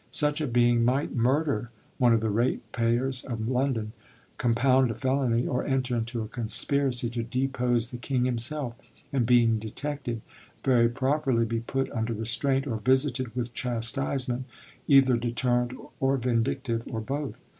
Such a being might murder one of the ratepayers of London, compound a felony, or enter into a conspiracy to depose the King himself, and, being detected, very properly be put under restraint, or visited with chastisement, either deterrent or vindictive, or both.